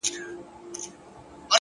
صادق زړه لږ بار وړي!